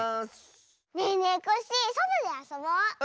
ねえねえコッシーそとであそぼう！